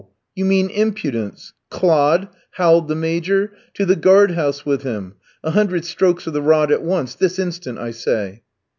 You mean impudence! Clod!" howled the Major. "To the guard house with him; a hundred strokes of the rod at once, this instant, I say!"